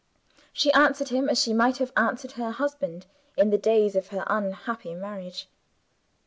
She answered him as she might have answered her husband, in the days of her unhappy marriage.